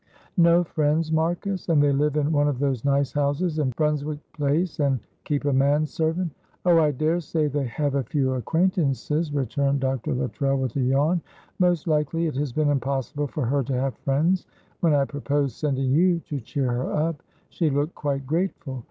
"No friends, Marcus and they live in one of those nice houses in Brunswick Place, and keep a man servant!" "Oh, I daresay they have a few acquaintances," returned Dr. Luttrell, with a yawn. "Most likely it has been impossible for her to have friends. When I proposed sending you to cheer her up, she looked quite grateful.